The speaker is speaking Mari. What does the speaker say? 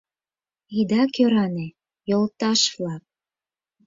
Ида кӧране, йолташ-влак!